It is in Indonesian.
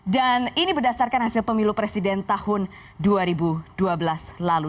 dan ini berdasarkan hasil pemilu presiden tahun dua ribu dua belas lalu